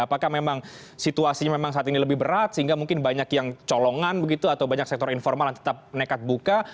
apakah memang situasinya memang saat ini lebih berat sehingga mungkin banyak yang colongan begitu atau banyak sektor informal tetap nekat buka